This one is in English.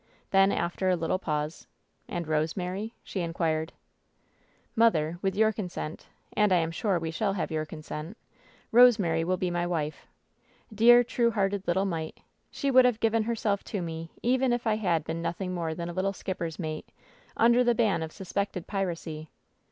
Then, after a little pause — "And Rosemary ?" she inquired. "Mother, with your consent — and I am sure we shall have your consent — Rosemary will be my wife. Dear, true hearted little mite ! She would have given herself to me even if I had been nothing more than a little skip per's mate, under the ban of suspected piracy